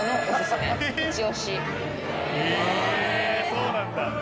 そうなんだ。